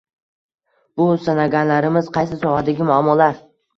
Bu sanaganlarimiz qaysi sohadagi muammolar?